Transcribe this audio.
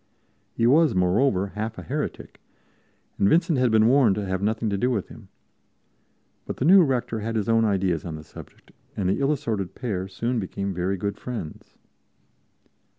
He was, moreover, half a heretic, and Vincent had been warned to have nothing to do with him. But the new rector had his own ideas on the subject, and the ill assorted pair soon became very good friends.